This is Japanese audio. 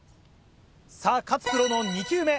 さぁ勝プロの２球目。